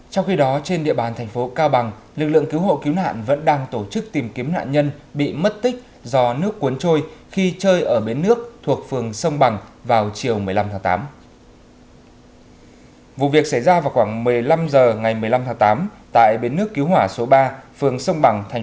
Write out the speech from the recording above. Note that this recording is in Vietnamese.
trong khi đó trên địa bàn thành phố cao bằng lực lượng cứu hộ cứu nạn vẫn đang tổ chức tìm kiếm nạn nhân bị mất tích do nước cuốn trôi khi chơi ở bến nước thuộc phường sông bằng vào chiều một mươi năm tháng tám